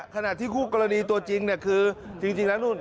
ขณะที่คู่กรณีตัวจริงเนี่ยคือจริงแล้วนู่น